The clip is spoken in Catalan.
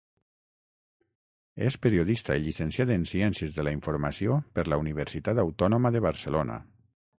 És periodista i llicenciat en Ciències de la Informació per la Universitat Autònoma de Barcelona.